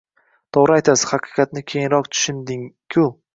To‘g‘ri aytasiz, haqiqatni keyinroq tushundig-u…